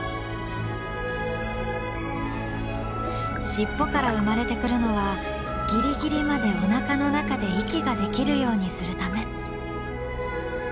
尻尾から生まれてくるのはギリギリまでおなかの中で息ができるようにするため。